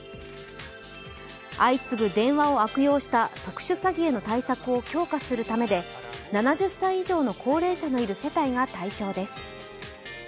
相次ぐ電話を悪用した特殊詐欺への対策を強化するためで７０歳以上の高齢者がいる世帯が対象です。